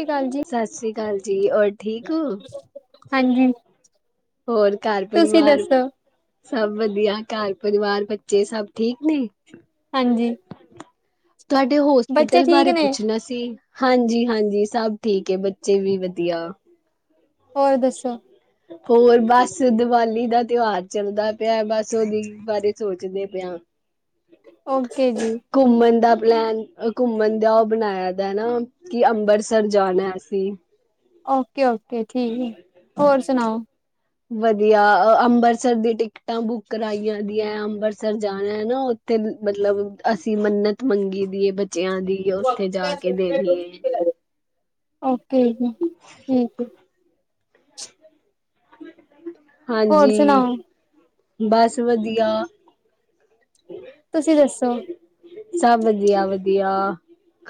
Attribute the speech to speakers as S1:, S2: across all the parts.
S1: ਸਤਿ ਸ਼੍ਰੀ ਅਕਾਲ ਜੀ
S2: ਸਸ ਸ੍ਰੀ ਕਾਲ ਜੀ, ਔਰ ਠੀਕ ਹੋ?
S1: ਹਾਂਜੀ।
S2: ਹੋਰ ਘਰ
S1: ਤੁਸੀਂ
S2: ਪਰੀਵਾਰ?
S1: ਦੱਸੋ
S2: ਸਭ ਵਧੀਆ, ਘਰ ਪਰਿਵਾਰ ਬੱਚੇ ਸਭ ਠੀਕ ਨੇ?
S1: ਹਾਂਜੀ।
S2: ਤੁਆਡੇ,
S1: ਬੱਚੇ
S2: ਹੋਸਪਿਟਲ
S1: ਠੀਕ
S2: ਬਾਰੇ
S1: ਨੇ
S2: ਪੁੱਛਣਾ ਸੀ? ਹਾਂਜੀ -ਹਾਂਜੀ, ਸਬ ਠੀਕ ਐ, ਬੱਚੇ ਵੀ ਵਧੀਆ।
S1: ਹੋਰ ਦੱਸੋ?
S2: ਹੋਰ, ਬਸ ਦੀਵਾਲੀ ਦਾ ਤਿਉਹਾਰ ਚੱਲਦਾ ਪਿਆ, ਬਸ ਉਹਦੀ ਬਾਰੇ ਸੋਚਦੇ ਪਏ ਆਂ। [unintelligible]
S1: ਓਕੇ ਜੀ।
S2: ਘੁੰਮਣ ਦਾ ਪਲੈਨ, ਘੁੰਮਣ ਦਾ ਓ ਬਨਾਇਆ ਦੈ ਨਾ। ਕੀ ਅੰਬਰਸਰ ਜਾਣਾ, ਅਸੀਂ।
S1: ਓਕੇ -ਓਕੇ ਠੀ, ਹੋਰ ਸੁਨਾਓ?
S2: ਵਧੀਆ, ਅੰਬਰਸਰ ਦੀ ਟਿਕਟਾਂ ਬੁੱਕ ਕਰਾਈਆਂ ਦੀਆਂ, ਅੰਬਰਸਰ ਜਾਣਾ ਐ, ਨਾ। ਤੇ, ਮਤਲਬ ਅਸੀਂ ਮੰਨਤ ਮੰਗੀ ਦੀ ਏ, ਬੱਚੇਆਂ ਦੀ, ਓਥੇ ਜਾ ਕੇ ਦੇਨੀ ਏ।
S1: ਓਕੇ, ਠੀਕ ਏ। ਹੋਰ
S2: ਹਾਂਜੀ,
S1: ਸੁਣਾਓ
S2: ਬਸ ਵਦੀਆ।
S1: ਤੁਸੀਂ ਦੱਸੋ?
S2: ਸਬ ਵਧੀਆ- ਵਧੀਆ।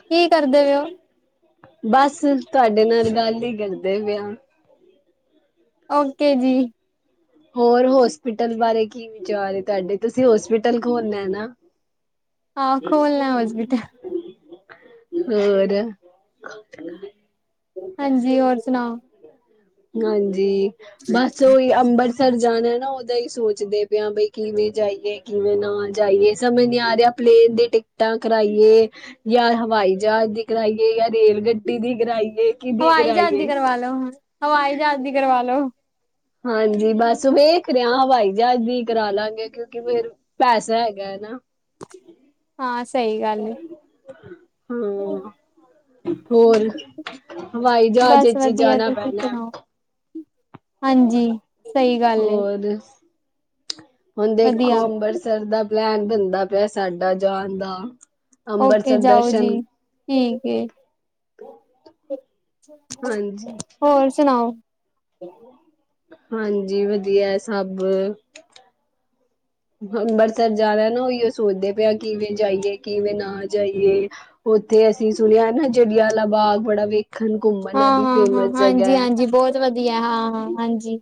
S1: ਕੀ ਕਰਦੇ ਪੇ ਓ?
S2: ਬਸ, ਤੁਆਡੇ ਨਾਲ ਗੱਲ ਈ ਕਰਦੇ ਪੇ ਆਂ।
S1: ਓਕੇ ਜੀ।
S2: ਹੋਰ ਹੋਸਪਿਟਲ ਬਾਰੇ ਕੀ ਵਿਚਾਰ ਏ ਤੁਆਡੇ? ਤੁਸੀਂ ਹੋਸਪਿਟਲ ਖੋਲਨਾ ਐ ਨਾ?
S1: ਹਾਂ, ਖੋਲਨਾ ਹੋਸਪਿਟਲ।
S2: ਹੋਰ?
S1: ਹਾਂਜੀ, ਹੋਰ ਸੁਣਾਓ?
S2: ਹਾਂਜੀ, ਬਸ ਓਹੀ ਅੰਬਰ ਸਰ ਜਾਣਾ ਨਾ, ਓਦਾ ਹੀ ਸੋਚਦੇ ਪਏ, ਬਈ ਕਿਵੇਂ ਜਾਈਏ, ਕਿਵੇਂ ਨਾ ਜਾਈਏ? ਸਮਝ ਨੀ ਆ ਰਿਹਾ। ਪਲੇਨ ਦੀ ਟਿਕਟਾਂ ਕਰਾਈਏ ਜਾਂ ਹਵਾਈ ਜਹਾਜ ਦੀ ਕਰਾਈਏ, ਜਾਂ ਰੇਲ ਗੱਡੀ ਦੀ ਕਰਾਈਏ। ਕਿਹਦੀ
S1: ਹਵਾਈ ਜਹਾਜ਼ ਦੀ
S2: ਕਰਾਈਏ
S1: ਕਰਵਾ ਲੋ-ਹਵਾਈ ਜਹਾਜ਼ ਦੀ ਕਰਵਾ ਲੋ।
S2: ਹਾਂਜੀ, ਬਸ ਵੇਖ ਰਿਹਾ, ਹਵਾਈ ਜਹਾਜ਼ ਦੀ ਕਰਾ ਲਾਂਗੇ, ਕਿਉਂਕਿ ਫੇਰ ਪੈਸਾ ਹੈਗਾ ਨਾਂ।
S1: ਹਾਂ, ਸਹੀ ਗੱਲ ਹੈ।
S2: ਹਾਂ ਹੋਰ, ਹਵਾਈ ਜਹਾਜ਼
S1: ਬਸ
S2: ਵਿੱਚ
S1: ਵਧੀਆ
S2: ਜਾਣਾ
S1: ਤੁਸੀਂ
S2: ਪੈਣਾ।
S1: ਸੁਣਾਓ ਹਾਂਜੀ, ਸਹੀ ਗੱਲ ਏ।
S2: [inaudible] ਹੁਣ ਦੇਖੋ,
S1: ਵਧੀਆ
S2: ਅੰਮ੍ਰਿਤਸਰ ਦਾ ਪਲੈਨ ਬਣਦਾ ਪਿਆ, ਸਾਡਾ ਜਾਣ ਦਾ
S1: ਓਕੇ,
S2: ਅੰਬਰਸਰ
S1: ਜਾਓ
S2: ਦਰਸ਼ਨ
S1: ਜੀ ਠੀਕ ਏ।
S2: ਹਾਂਜੀ,
S1: ਹੋਰ ਸੁਣਾਓ?
S2: ਹਾਂਜੀ, ਵਧੀਆ ਸਭ।
S1: [unintelligible]
S2: ਅੰਬਰਸਰ ਜਾਣਾ ਨਾ, ਓਈਓ ਸੋਚਦੇ ਪਏ ਹਾਂ, ਕਿਵੇਂ ਜਾਈਏ, ਕਿਵੇਂ ਨਾ ਜਾਈਏ? ਉੱਥੇ ਅਸੀਂ ਸੁਣਿਆ ਨਾ, ਜਲਿਆਂਵਾਲ੍ਹਾ ਬਾਗ ਬੜਾ ਵੇਖ
S1: ਹਾਂ, ਹਾਂ, ਹਾਂ, ਹਾਂਜੀ -ਹਾਂਜੀ ਬੋਤ ਵਧੀਆ ਹਾਂ, ਹਾਂ ਹਾਂਜੀ।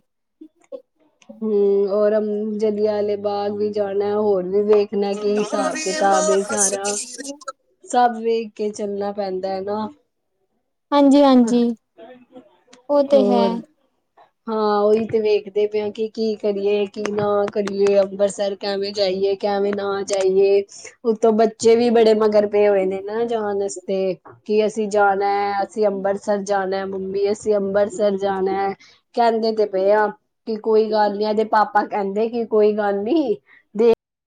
S2: ਹੂੰ, ਔਰ ਜਲਆਵਾਲਾ ਬਾਗ ਵੀ ਜਾਣਾ, ਹੋਰ ਵੀ ਵੇਖ ਣਾ, ਕੀ ਹਿਸਾਬ-ਕਿਤਾਬ ਏ ਸਾਰਾ? ਸਭ ਵੇਖ ਕੇ ਚੱਲਣਾ ਪੈਂਦਾ ਹੈਗਾ।
S1: ਹਾਂਜੀ ਹਾਂਜੀ ਉਹ ਤੇ ਹੈ
S2: ਹੋਰ ਹਾਂ, ਓਹੀ ਤੇ ਵੇਖਦੇ ਪਏ ਹਾਂ, ਕਿ ਕੀ ਕਰੀਏ, ਕੀ ਨਾ ਕਰੀਏ, ਅੰਬਰਤਸਰ ਕਿਵੇਂ ਜਾਈਏ, ਕਿਵੇਂ ਨਾ ਜਾਈਏ? ਉਤੋਂ ਬੱਚੇ ਵੀ ਬੜੇ ਮਗਰ ਹੋਏ ਨੇ ਨਾ, ਜਾਣ ਵਾਸਤੇ ਕੀ ਅਸੀਂ ਜਾਣਾ ਐ। ਅਸੀਂ ਅੰਬਰਸਰ ਜਾਣੈ, ਮੰਮੀ ਅਸੀਂ ਅੰਬਰਸਰ ਜਾਣੈ, ਕਹਿੰਦੇ ਤੇ ਪਏ ਆ। ਕਿ ਕੋਈ ਗੱਲ ਨੀ, ਇਹਦੇ ਪਾਪਾ ਕੈਂਹਦੇ ਕਿ ਕੋਈ ਗੱਲ ਨੀ। ਦੇ